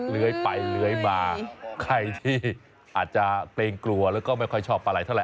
เลื้อยไปเลื้อยมาใครที่อาจจะเกรงกลัวแล้วก็ไม่ค่อยชอบปลาไหลเท่าไ